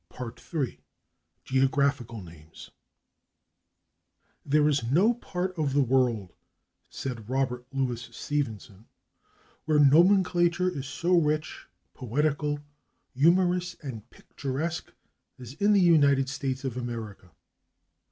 § 3 /Geographical Names/ "There is no part of the world," said Robert Louis Stevenson, "where nomenclature is so rich, poetical, humorous and picturesque as in the United States of America."